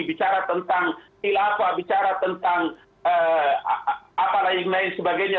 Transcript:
bicara tentang tilafah bicara tentang apa lain lain sebagainya